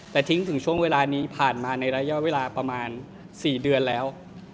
แต่ทิ้งถึงช่วงเวลานี้ผ่านมาในระยะเวลาประมาณ๔เดือนแล้ว